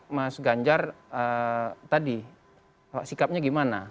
mas ganjar tadi sikapnya gimana